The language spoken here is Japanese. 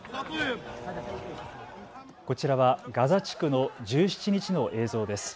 こちらはガザ地区の１７日の映像です。